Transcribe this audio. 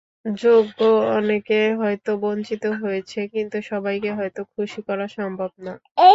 যোগ্য অনেকে হয়তো বঞ্চিত হয়েছে, কিন্তু সবাইকে হয়তো খুশি করা সম্ভব না।